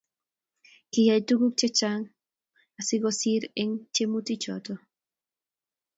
kiyay tuguuk chechang asigosiir eng tyemutichoto